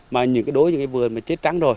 mà đối với những cái vườn chết trắng rồi